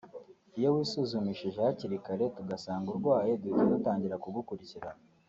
Iyo wisuzumishije hakiri kare tugasanga urwaye duhita dutangira kugukurikirana